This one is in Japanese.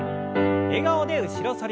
笑顔で後ろ反り。